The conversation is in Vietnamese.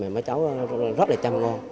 mấy cháu rất là chăm ngon